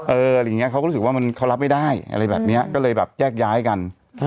อะไรอย่างนี้เขาก็รู้สึกว่าเขารับไม่ได้อะไรแบบนี้ก็เลยแบบแยกย้ายกัน